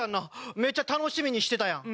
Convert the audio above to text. めっちゃ楽しみにしてたやん。